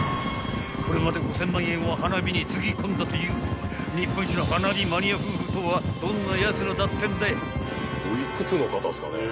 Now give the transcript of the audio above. ［これまで５，０００万円を花火につぎ込んだという日本一の花火マニア夫婦とはどんなやつらだってんだい］